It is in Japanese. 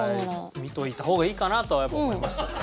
見といた方がいいかなとはやっぱ思いますよね。